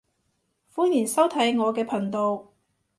歡迎收睇我嘅頻道